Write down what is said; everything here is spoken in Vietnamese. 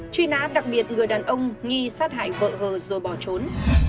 truy nã đặc biệt người đàn ông nghi sát hại vợ hờ rồi bỏ trốn